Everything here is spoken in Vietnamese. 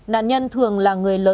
nạn nhân thường là người lớn